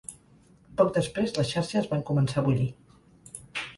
Poc després les xarxes van començar a bullir.